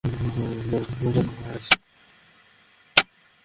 Australia, Canada, Indonesia, চীন, ভারতসহ অনেক দেশেই সিবিএম পদ্ধতি চালু আছে।